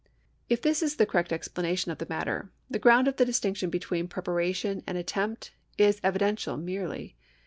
If this is the correct explanation of the matter, the ground of the dis tinction between preparation and attempt is evidential merely.